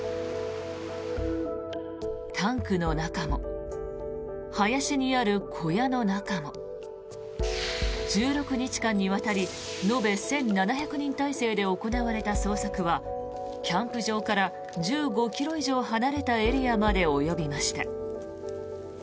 タンクの中も林にある小屋の中も１６日間にわたり延べ１７００人態勢で行われた捜索はキャンプ場から１５ｋｍ以上離れたエリアまで及びました。